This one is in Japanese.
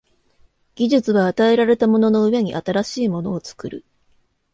技術は与えられたものの上に新しいものを作る。